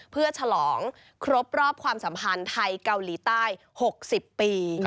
เพื่อฉลองครบรอบความสัมพันธ์ไทยเกาหลีใต้๖๐ปี